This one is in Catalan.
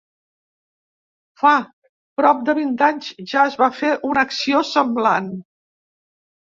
Fa prop de vint anys ja es va fer una acció semblant.